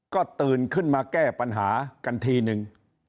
ก็ตื่นขึ้นมาแก้ปัญหากันทีนึง